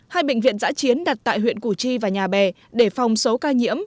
hai bệnh viện giã chiến đặt tại huyện củ chi và nhà bè để phòng số ca nhiễm